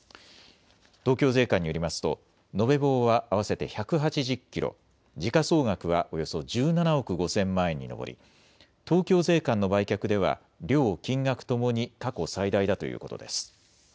東京税関によりますと延べ棒は合わせて１８０キロ、時価総額はおよそ１７億５０００万円に上り東京税関の売却では量、金額ともに過去最大だということです。